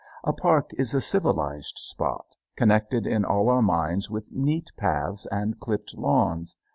A park is a civilized spot, connected in all our minds with neat paths and clipped lawns.